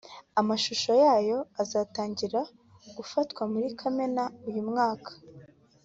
Amashusho yayo azatangira gufatwa muri Kamena uyu mwaka